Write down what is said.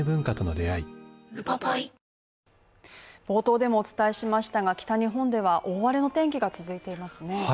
冒頭でもお伝えしましたが、北日本では大荒れの天気が続いていますね。